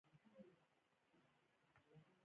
ډاکتر بلال و.